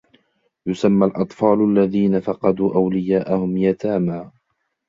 يُسمى الأطفال الذين فقدوا أولياءهم"يتامى".